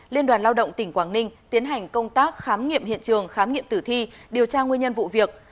liên đoàn lao động tỉnh quảng ninh tiến hành công tác khám nghiệm hiện trường khám nghiệm tử thi điều tra nguyên nhân vụ việc